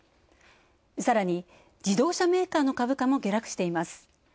さらに自動車メーカーの株価も下落しています。